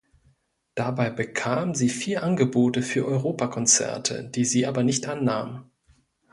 Dabei bekam sie vier Angebote für Europa-Konzerte, die sie aber nicht annahm.